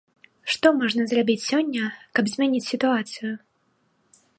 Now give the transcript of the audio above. Што можна зрабіць сёння, каб змяніць сітуацыю?